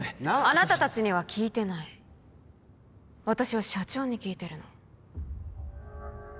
あなた達には聞いてない私は社長に聞いてるの